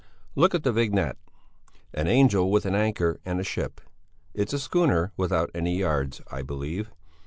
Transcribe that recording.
Look at the vignette! An angel with an anchor and a ship it's a schooner without any yards, I believe!